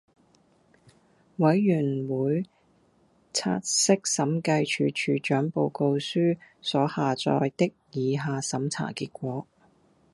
委員會察悉審計署署長報告書所載的以下審查結果